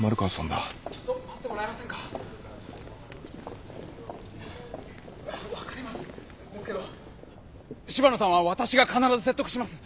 ですけど柴野さんは私が必ず説得します。